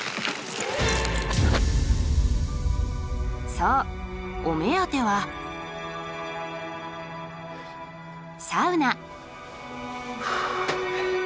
そうお目当てはサウナ！